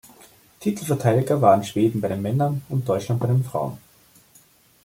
Titelverteidiger waren Schweden bei den Männern und Deutschland bei den Frauen.